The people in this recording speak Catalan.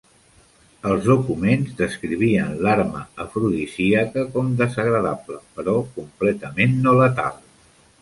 Els documents descrivien l'arma afrodisíaca com "desagradable però completament no letal".